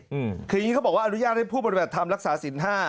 คืออย่างนี้เขาบอกว่าอนุญาตให้ผู้ปฏิบัติธรรมรักษาสินห้า